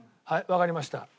はいわかりました。